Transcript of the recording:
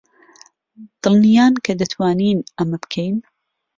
دڵنیان کە دەتوانین ئەمە بکەین؟